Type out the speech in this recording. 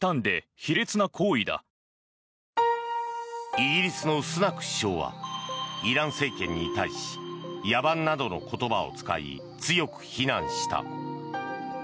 イギリスのスナク首相はイラン政権に対し野蛮などの言葉を使い強く非難した。